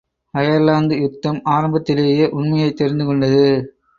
Ireland யுத்தம் ஆரம்பத்திலேயே உண்மையைத் தெரிந்துகொண்டது.